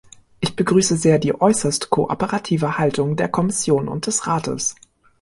Ich begrüße sehr die äußerst kooperative Haltung der Kommission und des Rates.